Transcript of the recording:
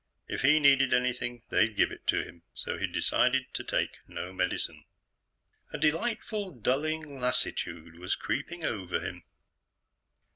If he needed anything, they'd give it to him, so he'd decided to take no medicine. A delightful, dulling lassitude was creeping over him.